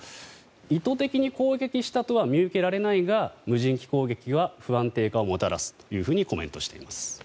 意図的に攻撃したとは見受けられないが無人機攻撃が不安定化をもたらすとコメントしています。